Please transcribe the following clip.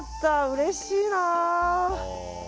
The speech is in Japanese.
うれしいな！